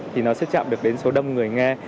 thì nó sẽ chạm được đến số đông người nghe